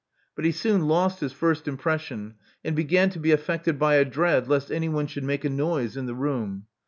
But he soon lost his first impression, and began to be affected by a dread lest anyone should make a noise in the room.